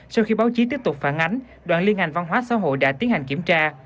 sau khi báo chí tiếp tục phản ánh đoàn liên ngành văn hóa xã hội đã tiến hành kiểm tra